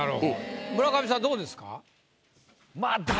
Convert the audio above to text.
村上さんどうですか？